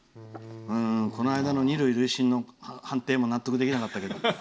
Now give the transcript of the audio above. この間の２塁、塁審の判定も納得できなかったけど。